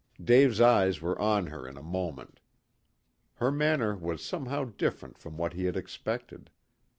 Dave's eyes were on her in a moment. Her manner was somehow different from what he had expected.